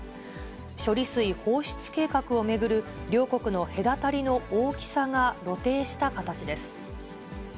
処理水放出計画を巡る両国の隔たりの大きさが露呈した形です。